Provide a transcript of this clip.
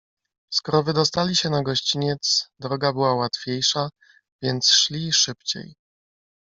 "Skoro wydostali się na gościniec, droga była łatwiejsza, więc szli szybciej."